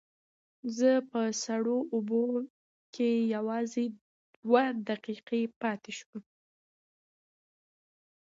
زه په سړو اوبو کې یوازې دوه دقیقې پاتې شوم.